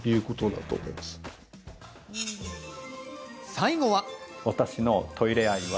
最後は。